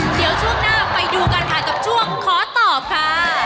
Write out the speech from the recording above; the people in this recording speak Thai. เดี๋ยวช่วงหน้าไปดูกันค่ะกับช่วงขอตอบค่ะ